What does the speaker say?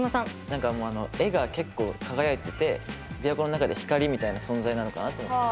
何かもう絵が結構輝いててびわ湖の中で光みたいな存在なのかなと思って。